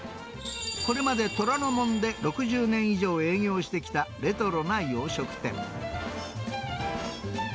これまで虎ノ門で６０年以上営業してきたレトロな洋食店。